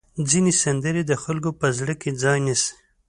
ځینې سندرې د خلکو په زړه کې ځای نیسي.